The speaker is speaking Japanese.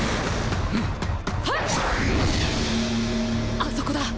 あそこだ！